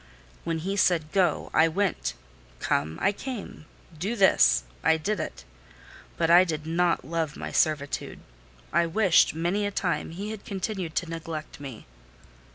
When he said "go," I went; "come," I came; "do this," I did it. But I did not love my servitude: I wished, many a time, he had continued to neglect me.